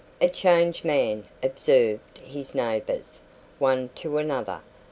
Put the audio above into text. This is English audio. "A changed man," observed his neighbours, one to another.